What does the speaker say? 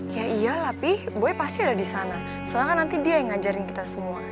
ya iyalah pi boy pasti ada disana soalnya kan nanti dia yang ngajarin kita semua